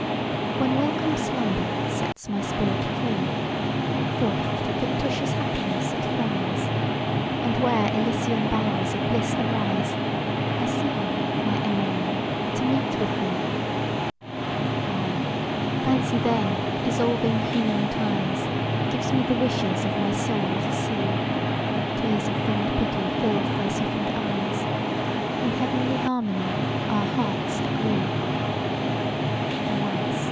WHEN welcome slumber sets my spirit free, Forth to fictitious happiness it flies, And where Elysian bowers of bliss arise, I seem, my Emmeline to meet with thee! Ah! Fancy then, dissolving human ties, Gives me the wishes of my soul to see; Tears of fond pity fill thy soften'd eyes: In heavenly harmony our hearts agree. Alas!